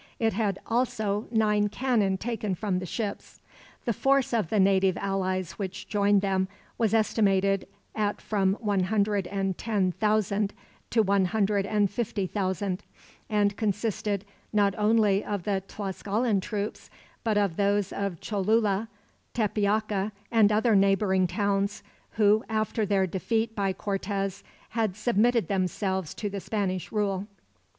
It had also nine cannon taken from the ships. The force of the native allies which joined them was estimated at from one hundred and ten thousand, to one hundred and fifty thousand; and consisted not only of the Tlascalan troops, but of those of Cholula, Tepeaca, and other neighboring towns; who, after their defeat by Cortez, had submitted themselves to the Spanish rule.